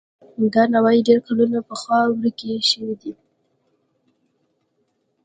دا نوعې ډېر کلونه پخوا ورکې شوې دي.